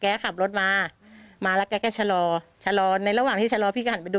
ขับรถมามาแล้วแกก็ชะลอชะลอในระหว่างที่ชะลอพี่ก็หันไปดู